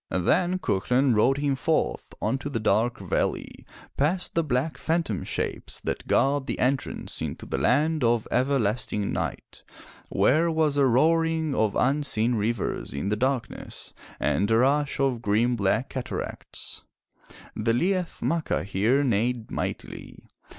Then Cuchulain rode him forth unto the Dark Valley, past the black phantom shapes that guard the entrance into the land of everlasting night, where was a roaring of unseen rivers in the dark ness, and a rush of grim black cataracts. The Liath Macha here neighed mightily.